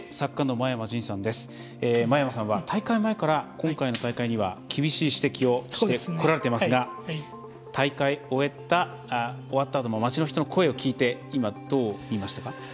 真山さんは大会前から今回の大会には厳しい指摘をしてこられていますが大会を終わったあとの街の人の声を聞いて今、どう思いましたか？